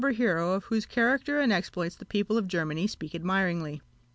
There is another robber hero, of whose character and exploits the people of Germany speak admiringly.